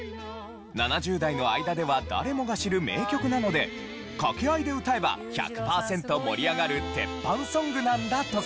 ７０代の間では誰もが知る名曲なので掛け合いで歌えば１００パーセント盛り上がる鉄板ソングなんだとか。